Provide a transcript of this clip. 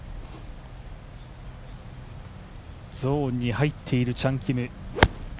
ゾーンに入っているチャン・キム。